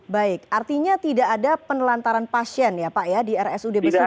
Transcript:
baik artinya tidak ada penelantaran pasien ya pak ya di rsud besar